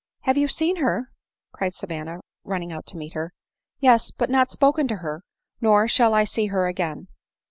" Have you see her ?" said Savanna, running out to meet her. " Yes — but not spoken to her ; nor shall I see her again."